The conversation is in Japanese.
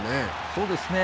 そうですね。